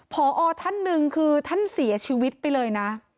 พอท่านหนึ่งคือท่านเสียชีวิตไปเลยนะ